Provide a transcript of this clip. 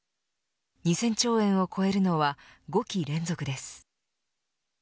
２０００兆円を超えるのは５期連続です。